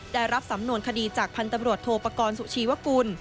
ได้รับสำนวนคดีจากพันธบรวจโทปกรณ์สุชีวกุล